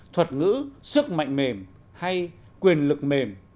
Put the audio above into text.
thuật ngữ sức mạnh mềm hay quyền lực mềm